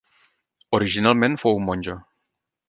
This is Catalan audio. Originalment fou un monjo.